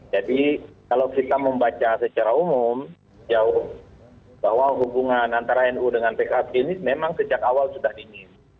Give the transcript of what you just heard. jadi kalau kita membaca secara umum bahwa hubungan antara nu dengan pkb ini memang sejak awal sudah dingin